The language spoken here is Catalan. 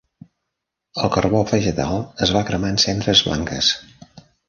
El carbó vegetal es va cremar en cendres blanques.